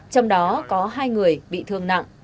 trong đó có hai người bị thương nặng